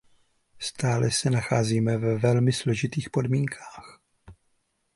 Stále se nacházíme ve velmi složitých podmínkách.